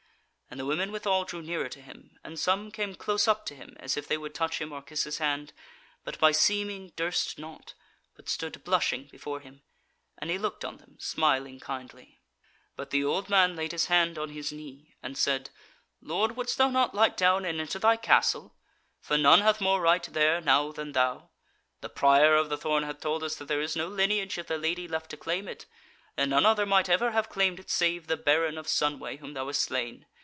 And the women withal drew nearer to him, and some came close up to him, as if they would touch him or kiss his hand, but by seeming durst not, but stood blushing before him, and he looked on them, smiling kindly. But the old man laid his hand on his knee and said: "Lord, wouldst thou not light down and enter thy Castle; for none hath more right there now than thou. The Prior of the Thorn hath told us that there is no lineage of the Lady left to claim it; and none other might ever have claimed it save the Baron of Sunway, whom thou hast slain.